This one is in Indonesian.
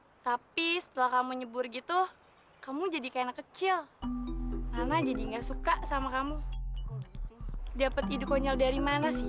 hai tapi setelah kamu nyebur gitu kamu jadi kayak kecil nana jadi nggak suka sama kamu dapet iduk konyol dari mana sih